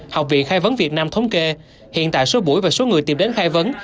học viện khai vấn việt nam thống kê hiện tại số buổi và số người tìm đến khai vấn